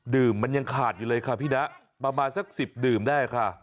มันยังขาดอยู่เลยค่ะพี่นะประมาณสัก๑๐ดื่มได้ค่ะ